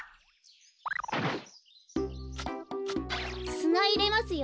すないれますよ。